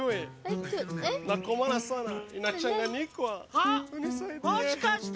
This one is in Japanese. あっもしかして！